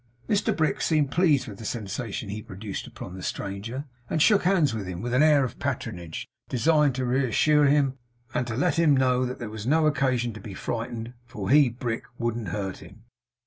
Mr Brick seemed pleased with the sensation he produced upon the stranger, and shook hands with him, with an air of patronage designed to reassure him, and to let him blow that there was no occasion to be frightened, for he (Brick) wouldn't hurt him.